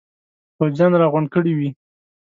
پوځیان را غونډ کړي وي.